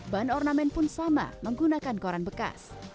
bahan ornamen pun sama menggunakan koran bekas